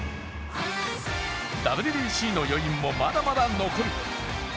ＷＢＣの余韻もまだまだ残る。